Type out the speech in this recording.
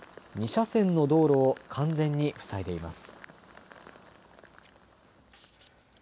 ２車線の道路を完全に塞いでいます。